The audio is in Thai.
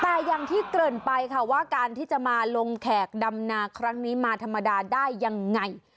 แต่อย่างที่เกริ่นไปค่ะว่าการที่จะมาลงแขกดำนาครั้งนี้มาธรรมดาได้ยังไง